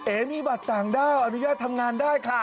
เอมีบัตรต่างด้าวอนุญาตทำงานได้ค่ะ